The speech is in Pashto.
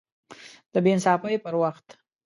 د بې انصافۍ پر وخت